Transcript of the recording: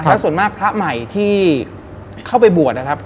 แล้วส่วนมากพระใหม่ที่เข้าไปบวชนะครับ